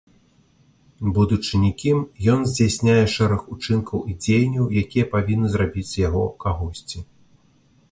Будучы нікім, ён здзяйсняе шэраг учынкаў і дзеянняў, якія павінны зрабіць з яго кагосьці.